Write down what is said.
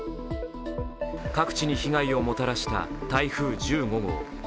各地に被害をもたらした台風１５号。